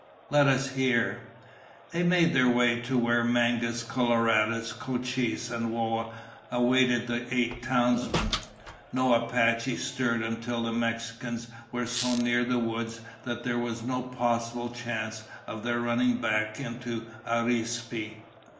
Let us hear." They made their way to where Mangus Coloradus, Cochise, and Whoa awaited the eight townsmen. No Apache stirred until the Mexicans were so near the woods that there was no possible chance of their running back into Arispe.